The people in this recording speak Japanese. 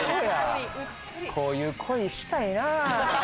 こういう恋したいなぁ。